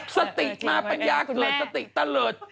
สติมาปัญญาเกิดสติตะเลิศ